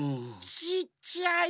ちっちゃい。